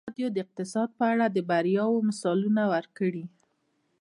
ازادي راډیو د اقتصاد په اړه د بریاوو مثالونه ورکړي.